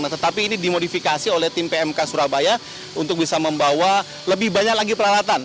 tetapi ini dimodifikasi oleh tim pmk surabaya untuk bisa membawa lebih banyak lagi peralatan